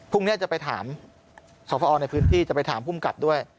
พรุ่งนี้จะไปถามสอบพอในพื้นที่จะไปถามภูมิกับด้วย